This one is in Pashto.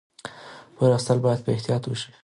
پور اخیستل باید په احتیاط وشي.